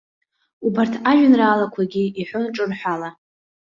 Убарҭ ажәеинраалақәагьы иҳәон ҿырҳәала.